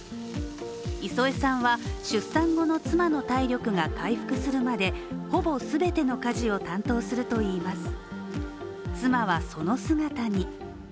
磯江さんは、出産後の妻の体力が回復するまでほぼ全ての家事を担当するといいます。